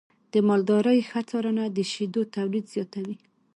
د مالدارۍ ښه څارنه د شیدو تولید زیاتوي.